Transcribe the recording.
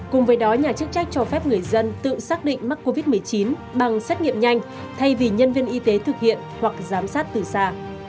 cùng với đó nhà chức trách cho phép người dân tự xác định mắc covid một mươi chín bằng xét nghiệm nhanh thay vì nhân viên y tế thực hiện hoặc giám sát từ xa